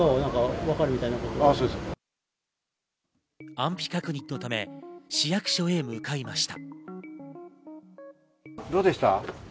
安否確認のため、市役所へ向かいました。